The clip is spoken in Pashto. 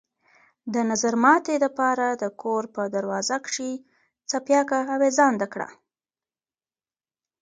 د نظرماتي د پاره د كور په دروازه کښې څپياكه اوېزانده کړه۔